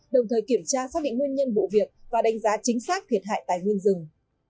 đồng thời kiểm tra xác định nguyên nhân vụ việc và đánh giá chính xác thiệt hại tài nguyên rừng